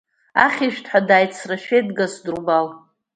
Ахьышәҭҳәа дааицрашәеит Гасдрубал.